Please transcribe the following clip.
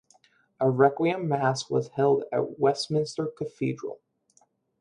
A requiem mass was held at Westminster Cathedral.